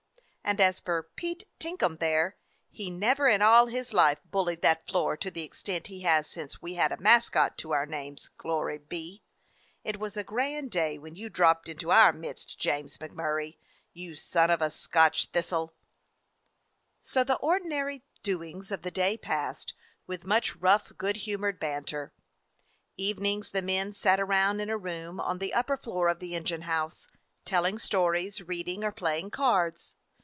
And as for Pete Tinkum there, he never in all his life bullied that floor to the extent he has since we had a mascot to our names, glory be! It was a grand day when you dropped into our midst, James MacMurray, you son of a Scotch thistle.'' 256 A FIRE DOG OF NEW YORK So the ordinary doings of the day passed, with much rough, good humored banter. Evenings the men sat around in a room on the upper floor of the engine house, telling stories, reading, or playing cards.